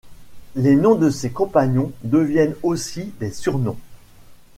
Les noms de ses compagnons deviennent aussi des surnoms.